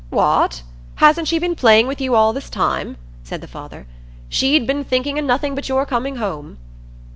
"What! hasn't she been playing with you all this while?" said the father. "She'd been thinking o' nothing but your coming home."